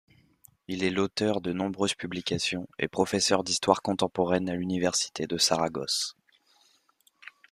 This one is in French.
Il est l'auteur de nombreuses publications et professeur d'histoire contemporaine à l'Université de Saragosse.